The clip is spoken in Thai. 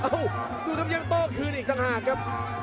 เอ้าดูครับยังโตขึ้นอีกสังหากครับ